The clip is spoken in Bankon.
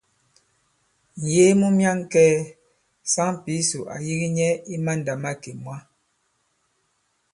Ŋ̀yee mu myaŋkɛ̄ɛ̄, saŋ Pǐsò ǎ yīgī nyɛ i mandàmakè mwǎ.